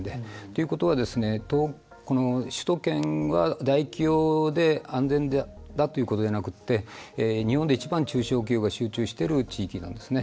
ということは首都圏は大企業で安全ということじゃなく日本で一番中小企業が集中している箇所なんですね。